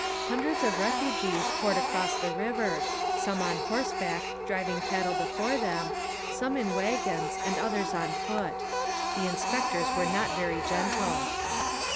Hundreds of refugees poured across the river, some on horseback driving cattle before them, some in wagons, and others on foot. The inspectors were not very gentle.